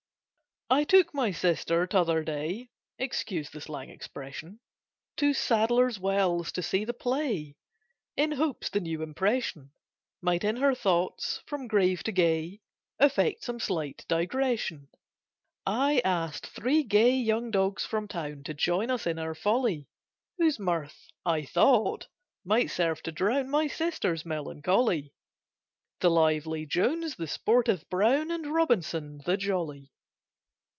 I took my sister t'other day (Excuse the slang expression) To Sadler's Wells to see the play In hopes the new impression Might in her thoughts, from grave to gay Effect some slight digression. I asked three gay young dogs from town To join us in our folly, Whose mirth, I thought, might serve to drown My sister's melancholy: The lively Jones, the sportive Brown, And Robinson the jolly.